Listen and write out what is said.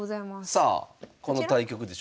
さあこの対局でしょうか？